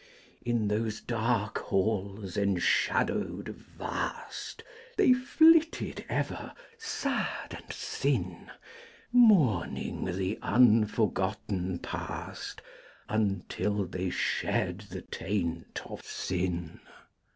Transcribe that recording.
In those dark halls, enshadowed, vast, They flitted ever, sad and thin, Mourning the unforgotten past Until they shed the taint of sin.